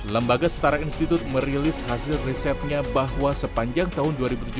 lembaga setara institut merilis hasil risetnya bahwa sepanjang tahun dua ribu tujuh belas